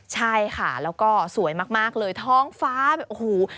ใช่ค่ะแล้วก็สวยมากเลยท้องฟ้าแบบโอ้โห